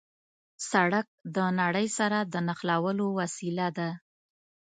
سړک د نړۍ سره د نښلولو وسیله ده.